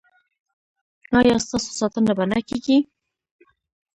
ایا ستاسو ساتنه به نه کیږي؟